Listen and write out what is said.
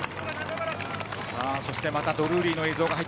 そしてまたドルーリーの映像。